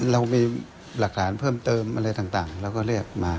เรามีหลักฐานเพิ่มเติมอะไรต่างเราก็เรียกมา